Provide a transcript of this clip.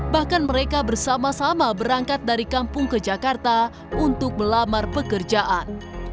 bahkan mereka bersama sama berangkat dari kampung ke jakarta untuk melamar pekerjaan